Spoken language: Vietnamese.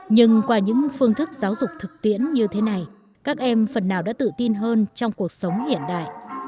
nhưng qua những phương thức giáo dục thực tiễn như thế này các em phần nào đã tự tin hơn trong cuộc sống hiện đại